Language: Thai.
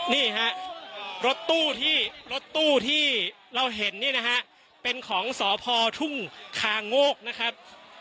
นี่ฮะรถตู้ที่รถตู้ที่เราเห็นเนี่ยนะฮะเป็นของสพทุ่งคาโงกนะครับ